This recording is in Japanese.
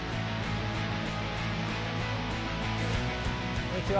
こんにちは。